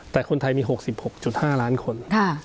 แต่คนไทยมี๖๖๕ล้านคน